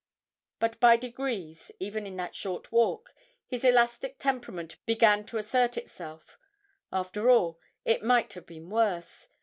But by degrees, even in that short walk, his elastic temperament began to assert itself; after all, it might have been worse.